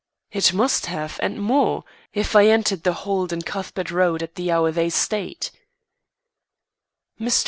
"It must have and more, if I entered the hold in Cuthbert Road at the hour they state." Mr.